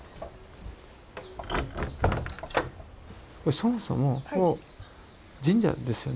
そもそも神社ですよね。